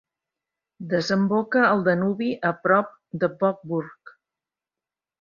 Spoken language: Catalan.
Desemboca al Danubi a prop de Vohburg.